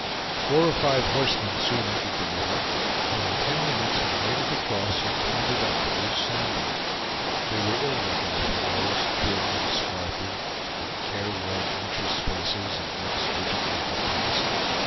Four or five horsemen soon entered the river, and in ten minutes had waded across and clambered up the loose sand bank. They were ill looking fellows, thin and swarthy, with care worn, anxious faces and lips rigidly compressed.